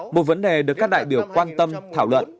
một vấn đề được các đại biểu quan tâm thảo luận